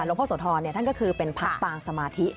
พ่อโสธรท่านก็คือเป็นพระปางสมาธิ